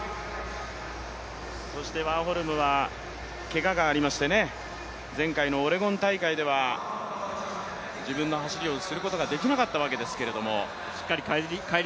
ワーホルムはけががありまして、前回のオレゴン大会では自分の走りをすることができなかったわけですけれども。